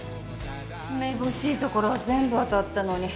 めぼしいところは全部当たったのに。